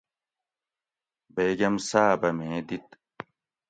بیگم صاۤبہ میں دِت